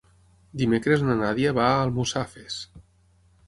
Dimecres na Nàdia va a Almussafes.